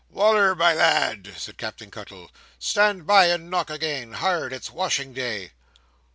"Wal"r, my lad!" said Captain Cuttle. "Stand by and knock again. Hard! It's washing day."